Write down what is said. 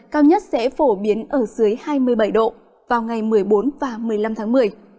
cao nhất sẽ phổ biến ở dưới hai mươi bảy độ vào ngày một mươi bốn và một mươi năm tháng một mươi